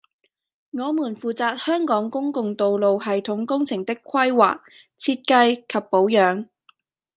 我們負責香港公共道路系統工程的規劃、設計及保養